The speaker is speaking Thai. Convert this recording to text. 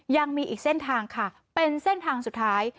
ยังมีอีกเส้นทางค่ะเป็นเส้นทางสุดท้าย